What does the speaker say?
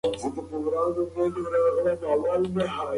هغه د اصفهان له نیولو وروسته خپل لښکر منظم کړ.